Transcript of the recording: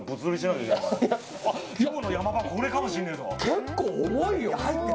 結構重いよ。